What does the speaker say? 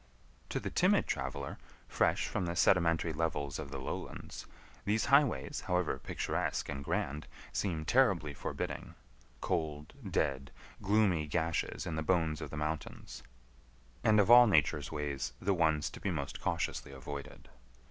To the timid traveler, fresh from the sedimentary levels of the lowlands, these highways, however picturesque and grand, seem terribly forbidding—cold, dead, gloomy gashes in the bones of the mountains, and of all Nature's ways the ones to be most cautiously avoided.